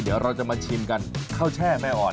เดี๋ยวเราจะมาชิมกันข้าวแช่แม่อ่อน